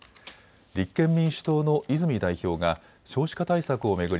立憲民主党の泉代表が少子化対策を巡り